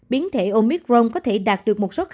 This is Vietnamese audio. biến thể omicron có thể đạt được một cơ hội tương tự